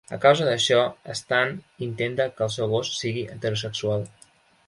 A causa d'això, Stan intenta que el seu gos sigui heterosexual.